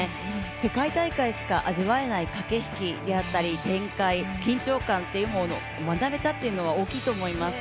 世界大会しか味わえない駆け引きだったり展開、緊張感というものを学べたというのは大きいと思います。